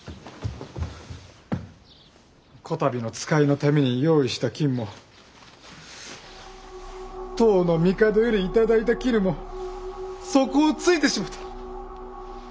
こたびの使いのために用意した金も唐の帝より頂いた絹も底をついてしもうた！